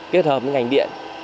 kết hợp với ngành điện